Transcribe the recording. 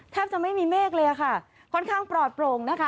แทบจะไม่มีเมฆเลยค่ะค่อนข้างปลอดโปร่งนะคะ